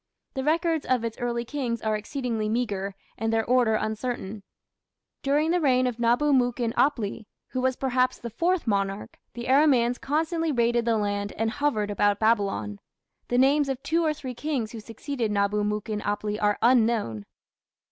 The records of its early kings are exceedingly meagre and their order uncertain. During the reign of Nabu mukin apli, who was perhaps the fourth monarch, the Aramaeans constantly raided the land and hovered about Babylon. The names of two or three kings who succeeded Nabu mukin apli are unknown.